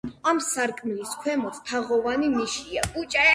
ამ სარკმლის ქვემოთ თაღოვანი ნიშია.